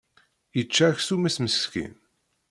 Yečča aksum-is meskin.